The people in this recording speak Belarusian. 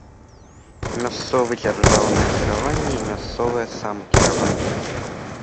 Мясцовы дзяржаўнае кіраванне і мясцовае самакіраванне.